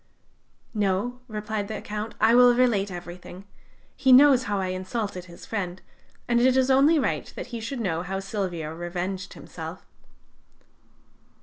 "No," replied the Count: "I will relate everything. He knows how I insulted his friend, and it is only right that he should know how Silvio revenged himself."